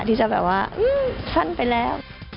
ที่จะแบบว่าสั้นไปแล้ว